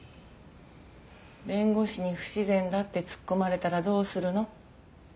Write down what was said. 弁護士に不自然だって突っ込まれたらどうするの？